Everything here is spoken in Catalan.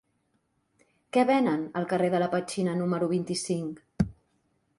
Què venen al carrer de la Petxina número vint-i-cinc?